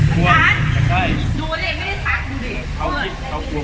ตัวไม่ทำไมกัน